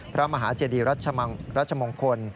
พระมหาเจดีรัชมงคล